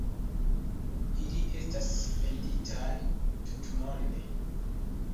Ili estas venditaj tutmonde.